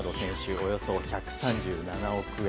およそ１３７億円。